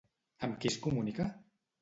Amb qui es comunica?